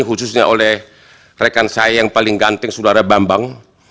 khususnya oleh rekan saya yang paling ganteng saudara bambang